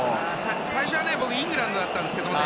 最初は僕イングランドだったんですけどね